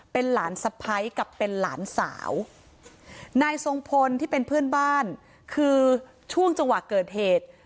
เป็นหลานสะพ้ายกับเป็นหลานสาวนายทรงพลที่เป็นเพื่อนบ้านคือช่วงจังหวะเกิดเหตุ